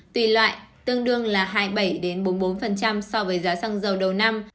tùy loại tương đương là hai mươi bảy bốn mươi bốn so với giá xăng dầu đầu năm